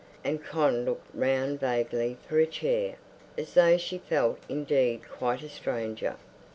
And Con looked round vaguely for a chair, as though she felt indeed quite a stranger.